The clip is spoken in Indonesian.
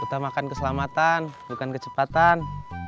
kita makan keselamatan bukan kecepatan